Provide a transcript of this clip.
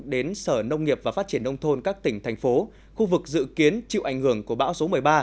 đến sở nông nghiệp và phát triển nông thôn các tỉnh thành phố khu vực dự kiến chịu ảnh hưởng của bão số một mươi ba